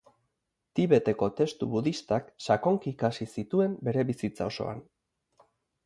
Tibeteko testu budistak sakonki ikasi zituen bere bizitza osoan.